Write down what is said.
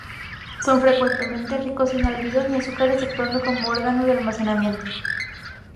Son frecuentemente ricos en almidón y azúcares actuando como órgano de almacenamiento.